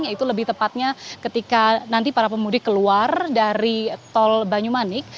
yaitu lebih tepatnya ketika nanti para pemudik keluar dari tol banyumanik